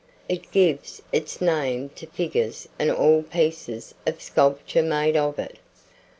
It gives its name to figures and all pieces of sculpture made of it.